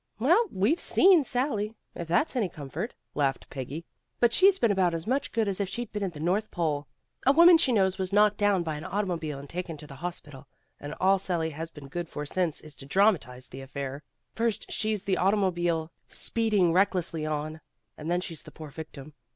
''Well, we've seen Sally, if that's any com fort," laughed Peggy. "But she's been about as much good as if she 'd been at the North Pole. A woman she knows was knocked down by an automobile and taken to the hospital, and all Sally has been good for since is to dramatize the affair. First she's the automobile speeding recklessly on, and then she's the poor victim.